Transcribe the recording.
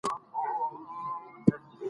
که ټکنالوژي کنټرول نشي، کارونه به اغیزمن شي.